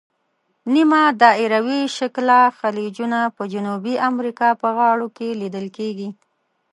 نیمه دایروي شکله خلیجونه په جنوبي امریکا په غاړو کې لیدل کیږي.